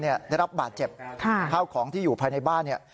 ได้รับบาดเจ็บข้าวของที่อยู่ภายในบ้านเนี่ย